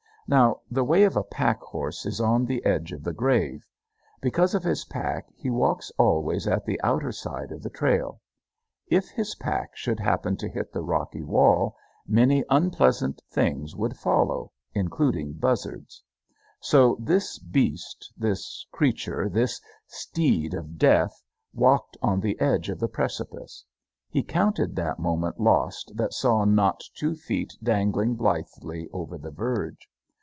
Now, the way of a pack horse is on the edge of the grave. Because of his pack he walks always at the outer side of the trail. If his pack should happen to hit the rocky wall, many unpleasant things would follow, including buzzards. So this beast, this creature, this steed of death, walked on the edge of the precipice. He counted that moment lost that saw not two feet dangling blithely over the verge.